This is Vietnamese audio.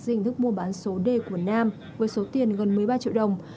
dịch thức mua bán số d của nam với số tiền gần một mươi ba triệu đồng